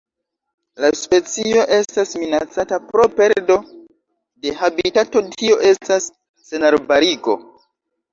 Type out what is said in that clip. La specio estas minacata pro perdo de habitato tio estas senarbarigo.